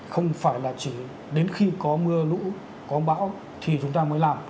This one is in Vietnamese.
không phải là chỉ đến khi có mưa lũ có bão thì chúng ta mới làm